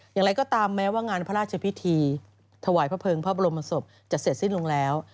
อย่างไรก็ตามแม้ว่างานพระราชพิธีถวายพระเภิงพระบรมศพจะเสร็จสิ้นลงแล้ว